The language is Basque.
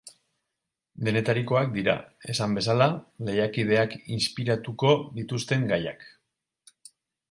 Denetarikoak dira, esan bezala, lehiakideak inspiratuko dituzten gaiak.